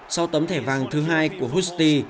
sau tấm thẻ vàng thứ hai của husti